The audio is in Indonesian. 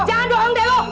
jangan doang deh lo